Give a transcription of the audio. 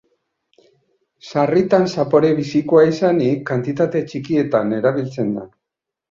Sarritan zapore bizikoa izanik, kantitate txikietan erabiltzen da.